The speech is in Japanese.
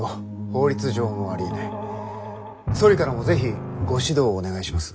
総理からも是非ご指導をお願いします。